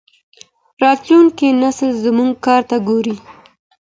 راتلونکی نسل زموږ کار ته ګوري.